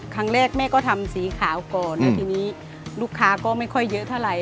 ครั้งแรกแม่ก็ทำสีขาวก่อนแล้วทีนี้ลูกค้าก็ไม่ค่อยเยอะเท่าไหร่